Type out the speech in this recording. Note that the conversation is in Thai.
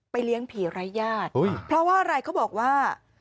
เลี้ยงผีไร้ญาติเพราะว่าอะไรเขาบอกว่า